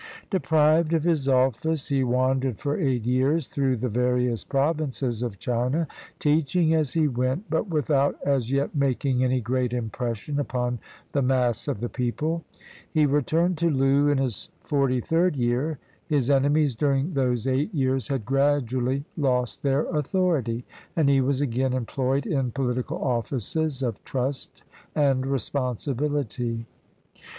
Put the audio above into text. Deprived of his office, he wandered for eight years through the various provinces of China, teaching as he went, but without as yet making any great impression upon the mass of the people. He returned to Loo in his forty third year. His enemies, during those eight years, had gradually lost their authority; and he was again employed in pohtical offices of trust and responsibility.